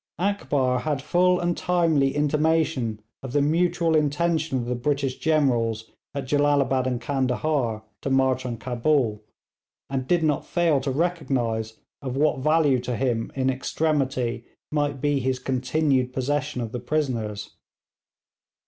Akbar had full and timely intimation of the mutual intention of the British generals at Jellalabad and Candahar to march on Cabul, and did not fail to recognise of what value to him in extremity might be his continued possession of the prisoners.